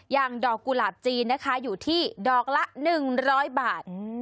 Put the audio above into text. อย่างดอกกุหลาบจีนนะคะอยู่ที่ดอกละ๑๐๐บาท